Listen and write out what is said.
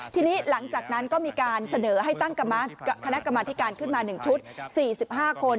ทีนี้หลังจากนั้นก็มีการเสนอให้ตั้งคณะกรรมธิการขึ้นมา๑ชุด๔๕คน